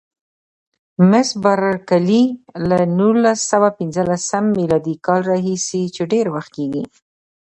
مس بارکلي: له نولس سوه پنځلسم میلادي کال راهیسې چې ډېر وخت کېږي.